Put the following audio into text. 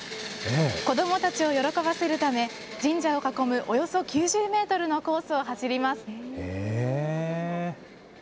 子どもたちを喜ばせるため、神社を囲むおよそ９０メートルのコースを走ります。